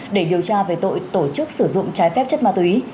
để điều tra về tội tổ chức sử dụng trái phép chất ma túy